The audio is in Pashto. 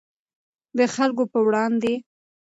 د خلکو په وړاندې.